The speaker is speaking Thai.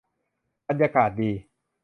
บรรยากาศดี